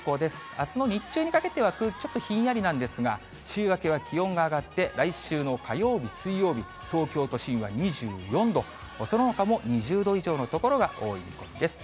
あすの日中にかけては、空気、ちょっとひんやりなんですが、週明けは気温が上がって、来週の火曜日、水曜日、東京都心は２４度、そのほかも２０度以上の所が多い見込みです。